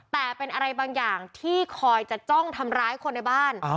แต่เป็นอะไรบางอย่างที่คอยจะจ้องทำร้ายคนในบ้าน